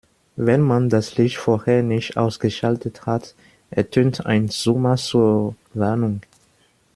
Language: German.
Wenn man das Licht vorher nicht ausgeschaltet hat, ertönt ein Summer zur Warnung.